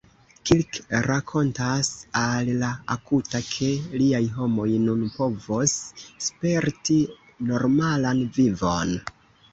Kirk rakontas al la Akuta, ke liaj homoj nun povos sperti normalan vivon.